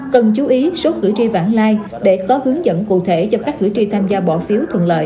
cần chú ý số cử tri vãng lai để có hướng dẫn cụ thể cho các cử tri tham gia bỏ phiếu thuận lợi